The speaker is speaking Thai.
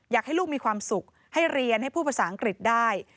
อยากให้ลูกมีความสุขให้เรียนให้พูดภาษาอังกฤษได้